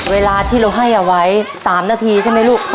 เวลาที่เราให้เอาไว้๓นาทีใช่ไหมลูก